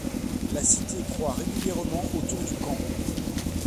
La cité croît régulièrement autour du camp.